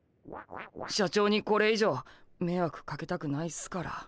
社長にこれ以上めいわくかけたくないっすから。